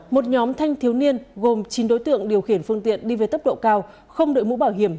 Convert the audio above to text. một nhóm thanh thiếu niên gồm chín đối tượng điều khiển phương tiện đi về tốc độ cao không đội mũ bảo hiểm